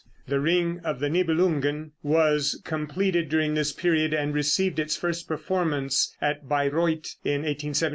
The "Ring of the Nibelungen" was completed during this period and received its first performance at Bayreuth in 1876.